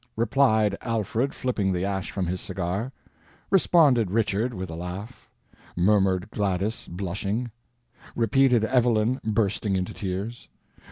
"... replied Alfred, flipping the ash from his cigar." "... responded Richard, with a laugh." "... murmured Gladys, blushing." "... repeated Evelyn, bursting into tears."